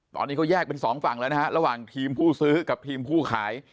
ตอนนี้เขาแยกเป็นสองฝั่งแล้วนะฮะระหว่างทีมผู้ซื้อกับทีมผู้ขาย